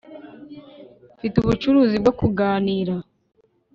mfite ubucuruzi bwo kuganira